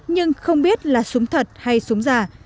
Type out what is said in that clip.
nhưng không biết là súng thật hay súng giả